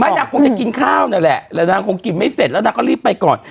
นางคงจะกินข้าวนั่นแหละแต่นางคงกินไม่เสร็จแล้วนางก็รีบไปก่อน